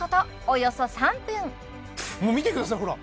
およそ３分もう見てくださいほら！